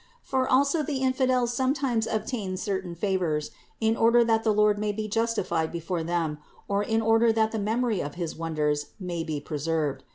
For also the infidels sometimes obtain cer tain favors, in order that the Lord may be justified be fore them, or in order that the memory of his wonders may be preserved.